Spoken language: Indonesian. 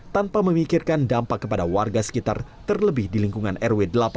tanpa memikirkan dampak kepada warga sekitar terlebih di lingkungan rw delapan